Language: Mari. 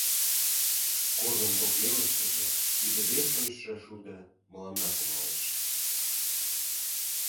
Корнын кок велыштыже ӱдыде шочшо шудо мыланна кумалеш.